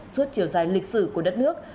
suốt chiều dài lịch sử của đất nước